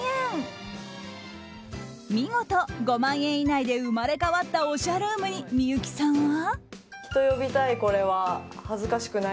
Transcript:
見事５万円以内で生まれ変わったおしゃルームに、幸さんは。